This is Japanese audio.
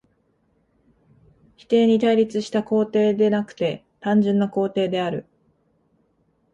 否定に対立した肯定でなくて単純な肯定である。